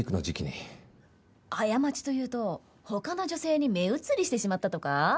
過ちというと他の女性に目移りしてしまったとか？